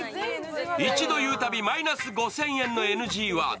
一度言うたびマイナス５０００円のＮＧワード。